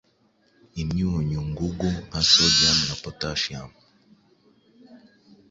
imyunyungugu nka sodium na potassium,